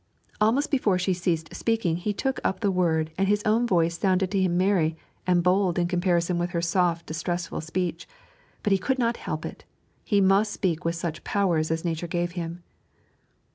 Almost before she ceased speaking he took up the word, and his own voice sounded to him merry and bold in comparison with her soft distressful speech; but he could not help that, he must speak with such powers as nature gave him.